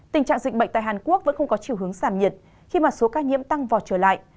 tình trạng dịch bệnh tại hàn quốc vẫn không có chiều hướng giảm nhiệt khi mà số ca nhiễm tăng vọt trở lại